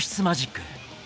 マジック。